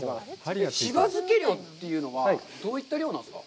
柴漬け漁というのはどういった漁なんですか？